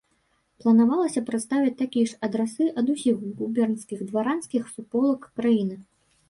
Планавалася прадставіць такія ж адрасы ад усіх губернскіх дваранскіх суполак краіны.